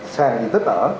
sàn dị tích ở